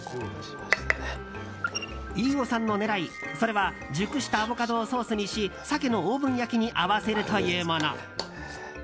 飯尾さんの狙い、それは熟したアボカドをソースにしサケのオーブン焼きに合わせるというもの。